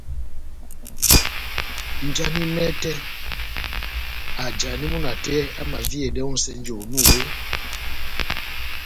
Njani mɛtɛ ajani múna tɛ́h amaviyedɛ ó nʼsɛnjɛ onu eeeh ?